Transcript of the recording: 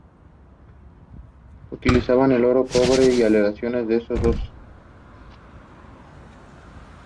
Utilizaban oro, cobre, y aleaciones de estos dos.